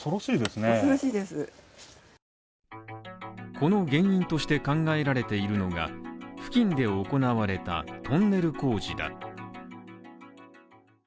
この原因として考えられているのが、付近で行われたトンネル工事だ。